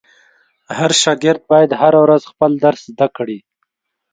هر شاګرد باید هره ورځ خپل درس زده کړي.